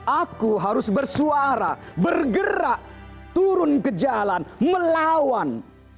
aku harus bersuara bergerak turun ke jalan melawan